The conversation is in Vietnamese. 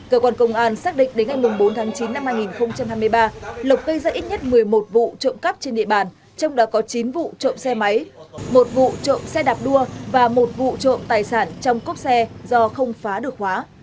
cơ quan công an xác định đến ngày bốn tháng chín năm hai nghìn hai mươi ba lộc gây ra ít nhất một mươi một vụ trộm cắp trên địa bàn trong đó có chín vụ trộm xe máy một vụ trộm xe đạp đua và một vụ trộm tài sản trong cốc xe do không phá được khóa